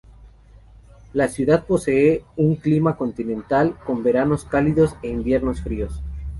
La ciudad posee un clima continental, con veranos cálidos e inviernos fríos.